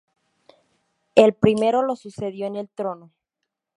El primero lo sucedió en el trono.